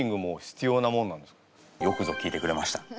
よくぞ聞いてくれました。